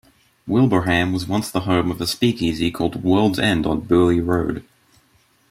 Wilbraham was once the home of a speakeasy called "Worlds End" on Burleigh Road.